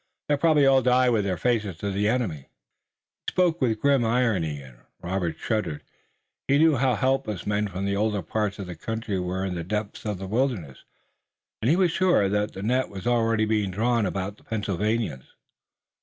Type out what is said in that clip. They'll probably all die with their faces to the enemy." He spoke with grim irony and Robert shuddered. He knew how helpless men from the older parts of the country were in the depths of the wilderness, and he was sure that the net was already being drawn about the Pennsylvanians.